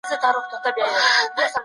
شخصیت د وخت په تیریدو سره جوړیږي.